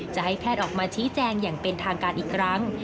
จะให้แพทย์ออกมาชี้แจงอย่างเป็นทางการอีกครั้ง